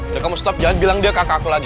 udah kamu stop jangan bilang dia kakakku lagi